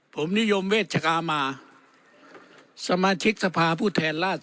ผมนิยมเวชกามาสมาชิกษประผู้แทนลาชฎรส์